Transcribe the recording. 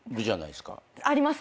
あります